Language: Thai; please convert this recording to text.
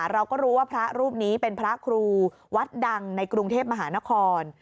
เราก็รู้ว่าพระรูปนี้เป็นพระครูวัดดังในกรุงเทพมหานคร